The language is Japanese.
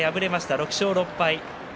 ６勝６敗。